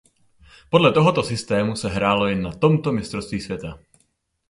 Podle tohoto systému se hrálo jen na tomto mistrovství světa.